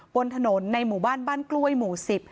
บนถนนในหมู่บ้านบ้านกล้วยหมู่๑๐